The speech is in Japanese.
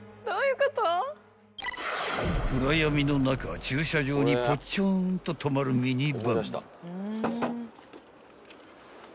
［暗闇の中駐車場にポチョンと止まるミニバン］